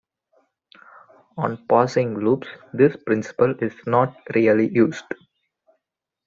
On passing loops this principle is not really used.